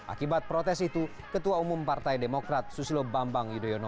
akibat protes itu ketua umum partai demokrat susilo bambang yudhoyono